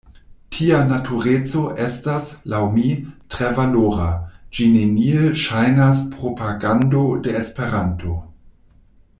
Tia natureco estas, laŭ mi, tre valora, ĝi neniel ŝajnas propagando de Esperanto.